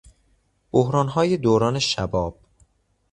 بحرانهای دوران شباب